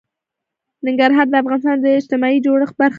ننګرهار د افغانستان د اجتماعي جوړښت برخه ده.